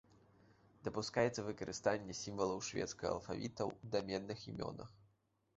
Дапускаецца выкарыстанне сімвалаў шведскага алфавіта ў даменных імёнах.